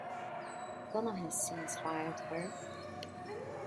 Donna has since fired her.